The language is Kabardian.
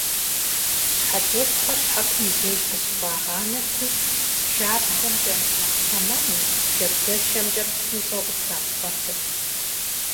Щхьэтепхъуэр щхьэкум и деж къыщыфӀагъанэрти, шабзэмкӀэ, нэхъ тэмэму, шабзэшэмкӀэ псынщӀэу къытрапхъуэтырт.